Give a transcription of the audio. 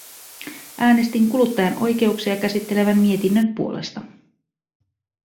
Äänestin kuluttajan oikeuksia käsittelevän mietinnön puolesta.